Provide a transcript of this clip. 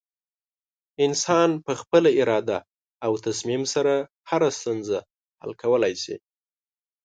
انسان په خپله اراده او تصمیم سره هره ستونزه حل کولی شي.